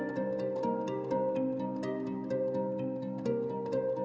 sutopo kabupaten tamanggung